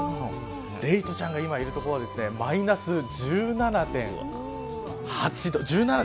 エイトちゃんが今いる所はマイナス１７．９度。